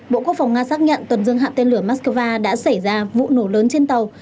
bộ quốc phòng nga xác nhận tần dương hạng tên lửa moskva đã xảy ra vụ nổ lớn trên tàu